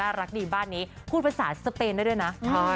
รักดีบ้านนี้พูดภาษาสเปนได้ด้วยนะ